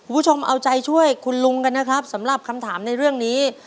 คุณผู้ชมเอาใจช่วยคุณลุงกันนะครับสำหรับคำถามในเรื่องนี้